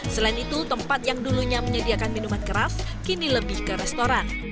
selain itu tempat yang dulunya menyediakan minuman keras kini lebih ke restoran